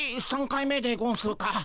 ３回目でゴンスか？